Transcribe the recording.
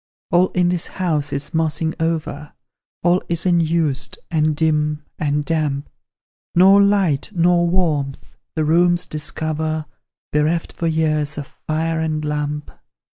All in this house is mossing over; All is unused, and dim, and damp; Nor light, nor warmth, the rooms discover Bereft for years of fire and lamp.